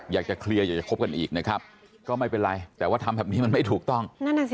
อยากจะเคลียร์อยากจะคบกันอีกนะครับก็ไม่เป็นไรแต่ว่าทำแบบนี้มันไม่ถูกต้องนั่นน่ะสิ